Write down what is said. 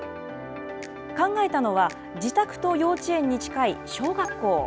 考えたのは、自宅と幼稚園に近い小学校。